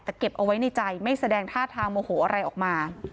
แต่เก็บเอาไว้ในใจไม่แสดงท่าทางโมโหอะไรออกมา